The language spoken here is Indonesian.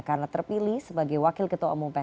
karena terpilih sebagai wakil ketua umum pnk